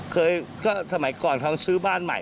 เคยก็สมัยก่อนเขาซื้อบ้านใหม่